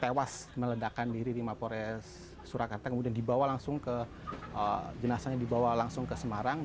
tewas meledakan diri di mapores surakarta kemudian dibawa langsung ke jenazahnya dibawa langsung ke semarang